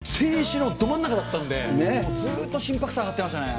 でも青春のど真ん中だったんで、ずーっと心拍数上がってましたね。